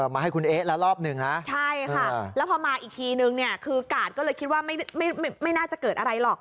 มาให้คุณเอ๊ะแล้วรอบหนึ่งนะใช่ค่ะแล้วพอมาอีกทีนึงเนี่ยคือกาดก็เลยคิดว่าไม่น่าจะเกิดอะไรหรอก